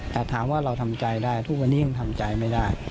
แต่ถามว่าเราทำใจได้ทุกวันนี้ยังทำใจไม่ได้